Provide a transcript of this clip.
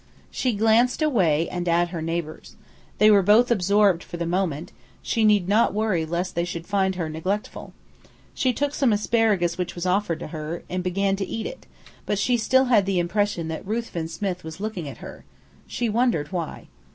She glanced away, and at her neighbours. They were both absorbed for the moment; she need not worry lest they should find her neglectful. She took some asparagus which was offered to her, and began to eat it; but she still had the impression that Ruthven Smith was looking at her. She wondered why.